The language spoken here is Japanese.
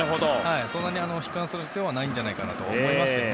そんなに悲観する必要はないんじゃないかと思います。